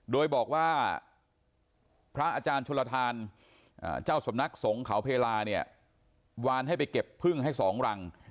โดยบอกว่าพระอาจารย์ชลทานเจ้าสำนักสงฆ์เขาเพลาเนี่ยวานให้ไปเก็บพึ่งให้๒รัง